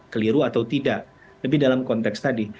keliru atau tidak lebih dalam konteks tadi